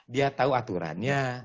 dia tahu aturannya